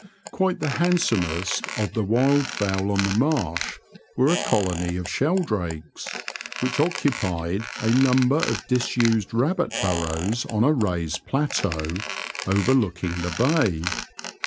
Quite the handsomest of the wildfowl on the marsh were a colony of shel drakes which occupied a number of disused rabbit burrows on a raised plateau overlooking the bay.